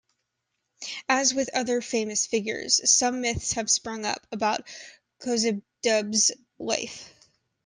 As with other famous figures, some myths have sprung up around Kozhedub's life.